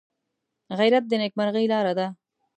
غیرت د نیکمرغۍ لاره ده